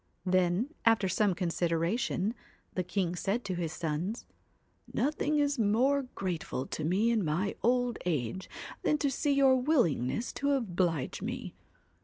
Then, after some consideration, the king said to his sons :' Nothing is more grateful to me in my old age than to see your willingness to oblige me.